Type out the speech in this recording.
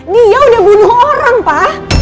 dia udah bunuh orang pa